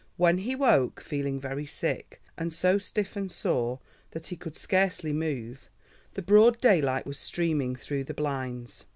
When he woke, feeling very sick and so stiff and sore that he could scarcely move, the broad daylight was streaming through the blinds.